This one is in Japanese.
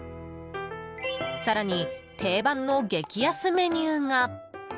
更に定番の激安メニューが。